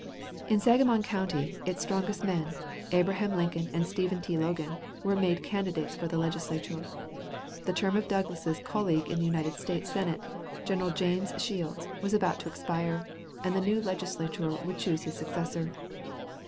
In Sangamon County, its strongest men, Abraham Lincoln and Stephen T. Logan, were made candidates for the Legislature. The term of Douglas's colleague in the United States Senate, General James Shields, was about to expire, and the new Legislature would choose his successor.